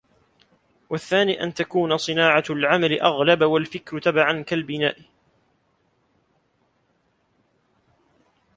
وَالثَّانِي أَنْ تَكُونَ صِنَاعَةُ الْعَمَلِ أَغْلَبَ وَالْفِكْرُ تَبَعًا كَالْبِنَاءِ